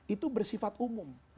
itu bersifat umum